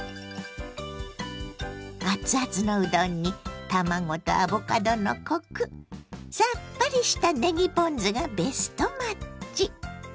熱々のうどんに卵とアボカドのコクさっぱりしたねぎポン酢がベストマッチ！